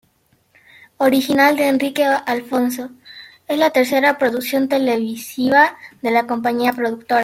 Original de Enrique Alfonso, es la tercera producción televisiva de la compañía productora.